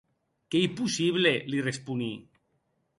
Qu’ei possible, li responí.